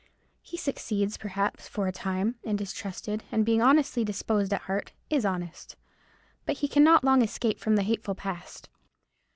He succeeds, perhaps, for a time, and is trusted, and being honestly disposed at heart, is honest: but he cannot long escape from the hateful past.